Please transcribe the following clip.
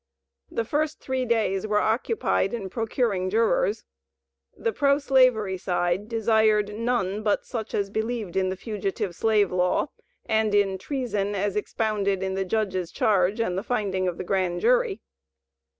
The first three days were occupied in procuring jurors. The pro slavery side desired none but such as believed in the Fugitive Slave law and in "Treason" as expounded in the Judge's charge and the finding of the Grand Jury.